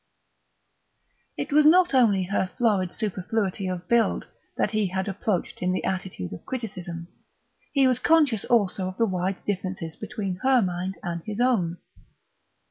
It was not only her florid superfluity of build that he had approached in the attitude of criticism; he was conscious also of the wide differences between her mind and his own.